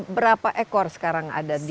berapa ekor sekarang ada di